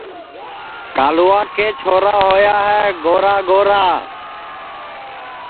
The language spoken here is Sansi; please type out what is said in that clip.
کالوا کے چھورا ہوا ہے گورا گورا